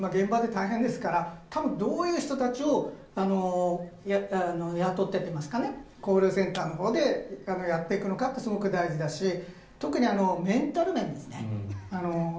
今、大変ですからどういう人たちを雇ってというかコールセンターのほうでやっていくのかってすごく大事だし特にメンタル面ですね。